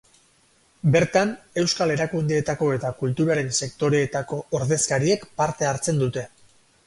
Bertan, euskal erakundeetako eta kulturaren sektoreetako ordezkariek parte hartzen dute.